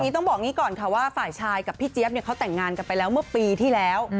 ต้องบอกอย่างนี้ก่อนค่ะว่าฝ่ายชายกับพี่เจี๊ยบเขาแต่งงานกันไปแล้วเมื่อปีที่แล้ว